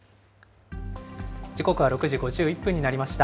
時刻は６時５１分になりました。